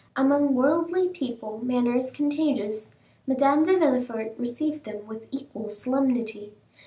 Among worldly people manner is contagious. Madame de Villefort received them with equal solemnity.